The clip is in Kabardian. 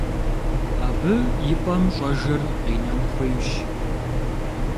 Абы и пӀэм щӀэжыр къинэн хуейщ.